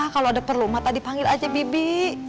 kalau ada perlu mata dipanggil aja bibi